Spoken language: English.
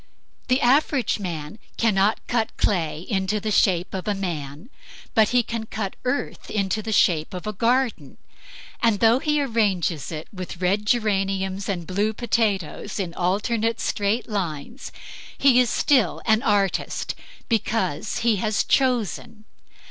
The average man cannot cut clay into the shape of a man; but he can cut earth into the shape of a garden; and though he arranges it with red geraniums and blue potatoes in alternate straight lines, he is still an artist; because he has chosen.